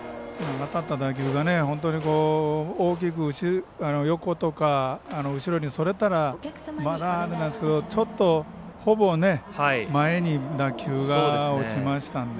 当たった打球が大きく横とか、後ろにそれたら、あれなんですけどほぼ前に打球が落ちましたので。